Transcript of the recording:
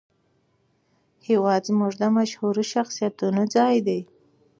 هېواد زموږ د مشهورو شخصیتونو ځای دی